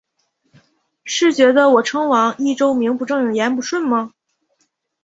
是觉得我称王益州名不正言不顺吗？